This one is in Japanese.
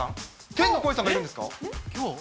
天の声さんがいるんですか？